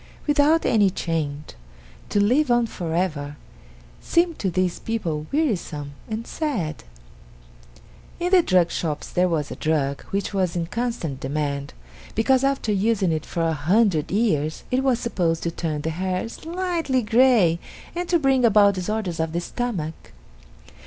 Without any change, to live on forever, seemed to this people wearisome and sad. In the drug shops there was a drug which was in constant demand, because after using it for a hundred years, it was supposed to turn the hair slightly gray and to bring about disorders of the stomach.